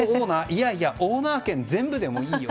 いやいやオーナー権全部でもいいよ。